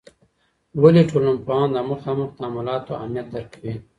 ولي ټولنپوهان د مخامخ تعاملاتو اهمیت درک کوي؟